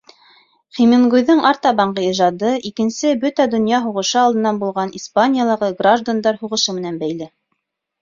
Хемингуэйҙың артабанғы ижады Икенсе бөтә донъя һуғышы алдынан булған Испаниялағы Граждандар һуғышы менән бәйле.